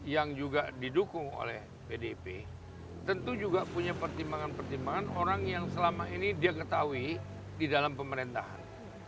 yang juga didukung oleh pdip tentu juga punya pertimbangan pertimbangan orang yang selama ini dia ketahui di dalam pemerintahan